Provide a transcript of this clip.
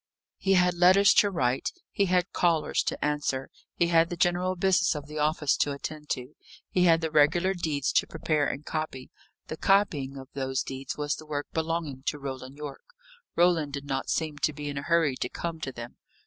He had letters to write; he had callers to answer; he had the general business of the office to attend to; he had the regular deeds to prepare and copy. The copying of those deeds was the work belonging to Roland Yorke. Roland did not seem to be in a hurry to come to them.